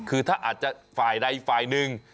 คือถ้าอาจจะฝ่ายใดฝ่ายหนึ่ง